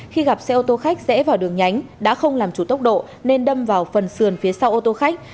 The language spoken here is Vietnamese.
khi gặp xe ô tô khách rẽ vào đường nhánh đã không làm chủ tốc độ nên đâm vào phần sườn phía sau ô tô khách